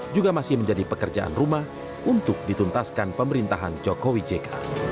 juga masih menjadi pekerjaan rumah untuk dituntaskan pemerintahan jokowi jk